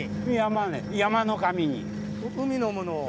海のものを。